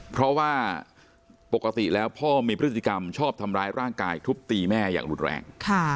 เพราะว่าปกติแล้วพ่อมีพฤติกรรมชอบทำร้ายร่างกายทุบตีแม่อย่างรุนแรง